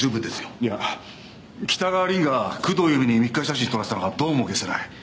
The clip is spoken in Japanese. いや北川凛が工藤由美に密会写真撮らせたのがどうも解せない。